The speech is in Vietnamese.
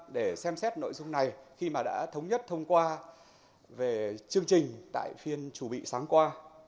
tôi thống nhất với đề nghị quốc hội xem xét nội dung này khi mà đã thống nhất thông qua về chương trình tại phiên chủ bị sáng qua